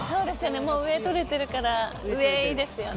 上とれてるから、いいですよね。